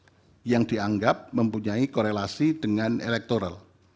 ada yang dianggap mempunyai korelasi dengan elektoral